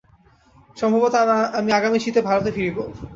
সম্ভবত আমি আগামী শীতে ভারতে ফিরিব।